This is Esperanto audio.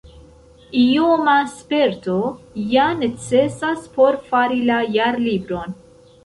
Ioma sperto ja necesas por fari la Jarlibron.